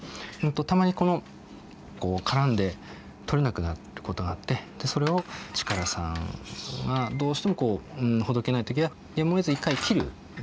たまにこう絡んで取れなくなることがあってそれを力さんがどうしてもほどけない時はやむをえず一回切るんですね。